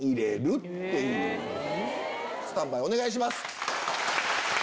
スタンバイお願いします。